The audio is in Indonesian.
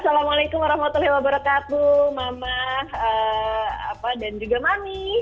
assalamualaikum warahmatullahi wabarakatuh